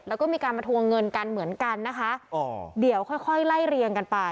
แล้วก็มีการมาทวงเงินกันเหมือนกันนะคะอ๋อเดี๋ยวค่อยค่อยไล่เรียงกันไป